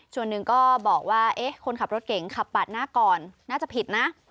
ส่วนหนึ่งก็บอกว่าคนขับรถเก่งขับปาดหน้าก่อนน่าจะผิดนะ